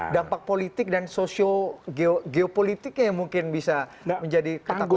dampak politik dan sosio geopolitiknya yang mungkin bisa menjadi ketakutan